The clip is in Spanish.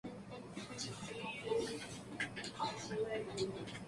The Electric Co.